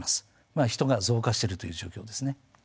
まあ人が増加してるという状況ですね。